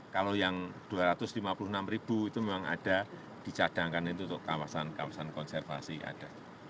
kalau yang dua ratus lima puluh enam ribu itu memang ada dicadangkan itu untuk kawasan kawasan konservasi ada